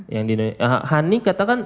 yang di indonesia yang di indonesia hani katakan